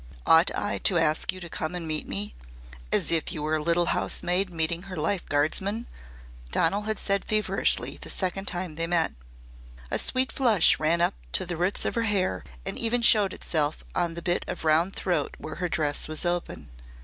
"Ought I to ask you to come and meet me as if you were a little housemaid meeting her life guardsman?" Donal had said feverishly the second time they met. A sweet flush ran up to the roots of her hair and even showed itself on the bit of round throat where her dress was open.